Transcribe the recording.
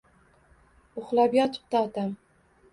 Uxlab yotibdi otam.